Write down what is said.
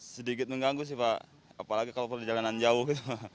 sedikit mengganggu sih pak apalagi kalau perjalanan jauh